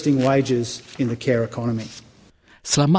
dan memperkuat wajah di ekonomi perawatan